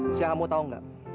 aisyah kamu tau gak